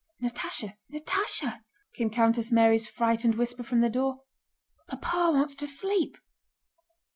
"Natásha, Natásha!" came Countess Mary's frightened whisper from the door. "Papa wants to sleep."